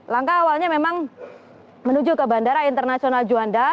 langkah awalnya memang menuju ke bandara internasional juanda